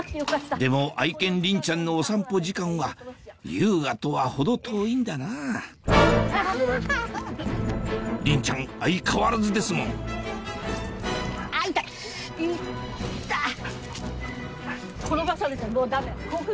でも愛犬リンちゃんのお散歩時間は優雅とは程遠いんだなリンちゃん相変わらずですもん痛っ。